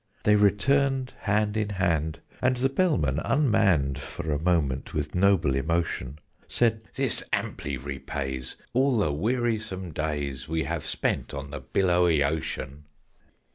They returned hand in hand, and the Bellman, unmanned (For a moment) with noble emotion, Said "This amply repays all the wearisome days We have spent on the billowy ocean!"